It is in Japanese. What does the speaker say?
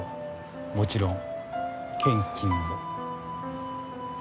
もちろん献金も。